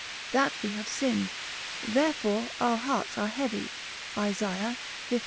That we have sinned, therefore our hearts are heavy, Isa. lix.